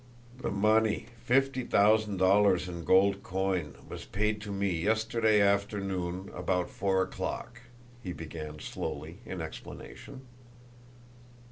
"The money fifty thousand dollars in gold coin was paid to me yesterday afternoon about four o'clock," he began slowly, in explanation.